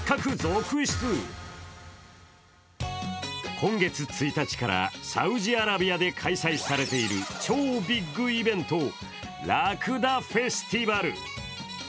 今月１日からサウジアラビアで開催されている超ビッグイベント、ラクダフェスティバル。